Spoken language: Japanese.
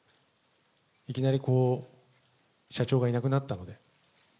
いきなりこう、社長がいなくなったので。